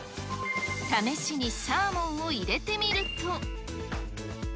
試しにサーモンを入れてみると。